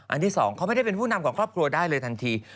ที่สองเขาไม่ได้เป็นผู้นำของครอบครัวได้เลยทันที